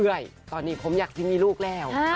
เรื่อยตอนนี้ผมอยากจะมีลูกแล้ว